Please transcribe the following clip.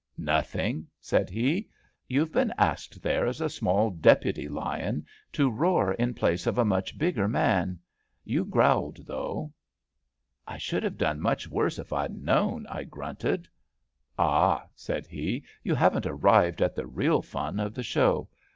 Nothing," said he. You've been asked there as a small deputy lion to roar in place of a much bigger man. You growled, though." 252 ABATT THE FUNNEL *' I should have done much worse if I'd known,' ' I grunted, '' Ah, '' said he, *' you haven't arrived at the real fun of the show.